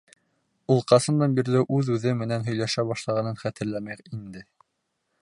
Ул ҡасандан бирле үҙ-үҙе менән һөйләшә башлағанын хәтерләмәй инде.